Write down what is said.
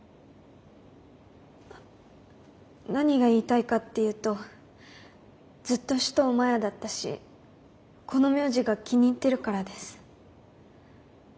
何が言いたいかっていうとずっと首藤マヤだったしこの名字が気に入ってるからです。